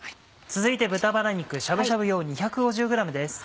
続いて豚バラ肉しゃぶしゃぶ用２５０ｇです。